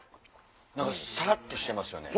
何かさらっとしてますよね